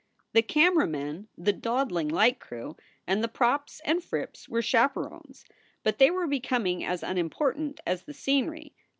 The camera men, the dawdling light crew, and the props and frips were chaperons, but they were becoming as unim portant as the scenery.